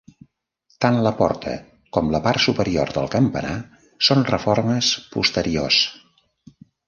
Tant la porta com la part superior del campanar són reformes posteriors.